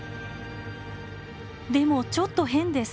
でもちょっと変です。